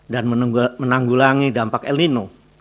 dan menanggulangi dampak el nino